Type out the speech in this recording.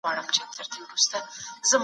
تاسو به له تېرو غلطیو څخه زده کړه کوئ.